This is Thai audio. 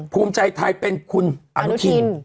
ภูมิใจไทยเป็นคุณอนุทิน